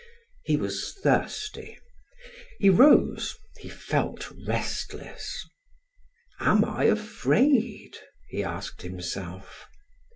He was thirsty; he rose, he felt restless. "Am I afraid?" he asked himself.